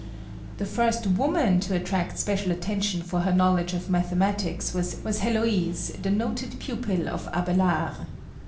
The first woman to attract special attention for her knowledge of mathematics was Heloise, the noted pupil of Abelard.